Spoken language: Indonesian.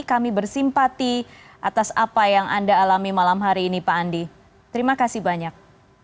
kami bersimpati atas apa yang anda alami malam hari ini pak andi terima kasih banyak